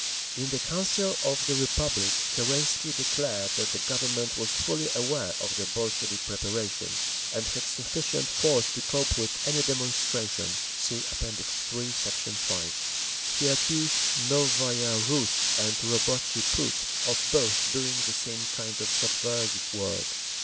In the Council of the Republic Kerensky declared that the Government was fully aware of the Bolshevik preparations, and had sufficient force to cope with any demonstration. (See App. III, Sect. 5) He accused Novaya Rus and Robotchi Put of both doing the same kind of subversive work.